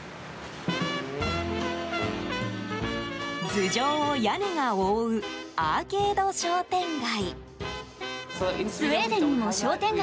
頭上を屋根が覆うアーケード商店街。